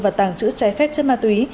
và tàng trữ trái phép chất ma túy